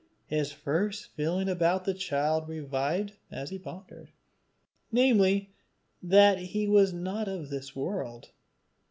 His first feeling about the child revived as he pondered namely, that he was not of this world.